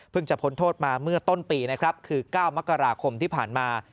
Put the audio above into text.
จะพ้นโทษมาเมื่อต้นปีนะครับคือ๙มกราคมที่ผ่านมา